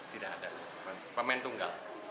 tidak ada pemain tunggal